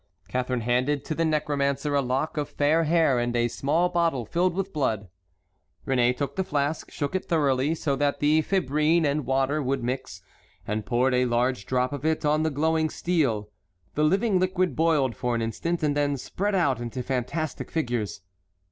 Catharine handed to the necromancer a lock of fair hair and a small bottle filled with blood. Réné took the flask, shook it thoroughly, so that the fibrine and water would mix, and poured a large drop of it on the glowing steel. The living liquid boiled for an instant, and then spread out into fantastic figures.